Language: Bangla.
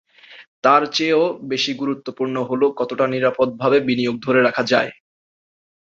তার চেয়েও বেশি গুরুত্বপূর্ণ হলো কতটা নিরাপদভাবে বিনিয়োগ ধরে রাখা যায়।